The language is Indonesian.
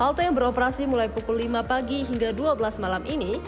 halte yang beroperasi mulai pukul lima pagi hingga dua belas malam ini